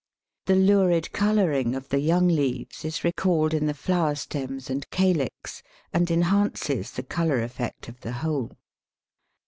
The lurid colouring of the young leaves is recalled in the flower stems and calix, and enhances the colour effect of the whole.